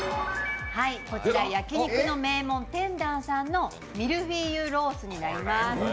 こちら焼肉の名門天壇さんのミルフィーユロースになります。